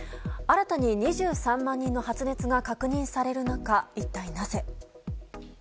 新たに２３万人の発熱が確認される中一体なぜ。